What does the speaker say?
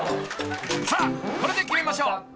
［さあこれで決めましょう。